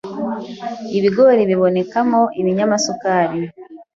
ibigori bibonekamo ibinyamasukari,